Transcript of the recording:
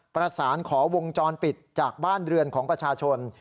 ประสานขอวงจรปิดจากบ้านเรือนของประชาชน